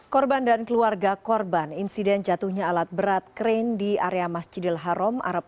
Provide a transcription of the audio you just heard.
korban dan keluarga korban insiden jatuhnya alat berat krain di area masjidil haram